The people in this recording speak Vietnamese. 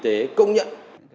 y tế công nhận